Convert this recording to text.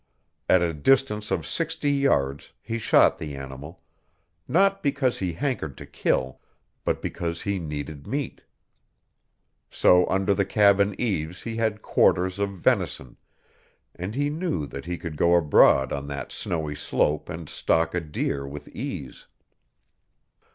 At a distance of sixty yards he shot the animal, not because he hankered to kill, but because he needed meat. So under the cabin eaves he had quarters of venison, and he knew that he could go abroad on that snowy slope and stalk a deer with ease.